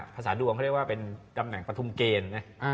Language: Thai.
ภาษาดวงเขาเรียกว่าเป็นตำแหน่งปฐุมเกณฑ์นะ